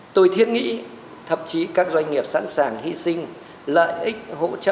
tôi thiết nghĩ thậm chí các doanh nghiệp sẵn sàng hy sinh lợi ích hỗ trợ